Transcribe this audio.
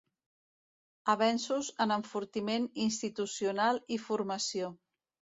Avenços en enfortiment institucional i formació.